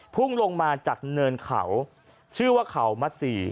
พุ่งลงมาจากเนินเขาชื่อว่าเขามัดสี่